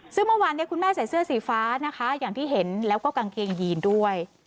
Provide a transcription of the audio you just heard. ซึ่งเมื่อวานเนี่ยคุณแม่ใส่เสื้อสีฟ้านะคะอย่างที่เห็นแล้วก็กางเกงยีนด้วย